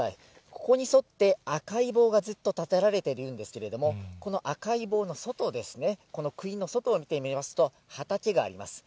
ここに沿って、赤い棒がずっと立てられているんですけれども、この赤い棒の外ですね、このくいの外を見てみますと、畑があります。